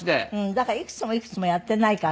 だからいくつもいくつもやっていないから。